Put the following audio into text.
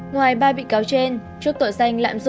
ngoài ba bị cáo trên